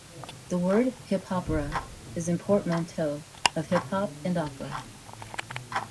The word "hip hopera" is a portmanteau of "hip hop" and "opera".